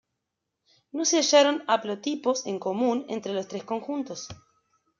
No se hallaron haplotipos en común entre los tres conjuntos.